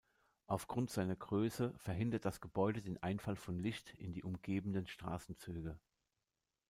Aufgrund seiner Größe verhindert das Gebäude den Einfall von Licht in die umgebenden Straßenzüge.